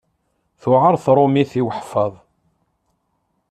Tuɛeṛ tṛumit i weḥfaḍ.